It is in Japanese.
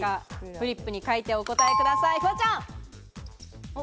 フリップに書いてお答えください。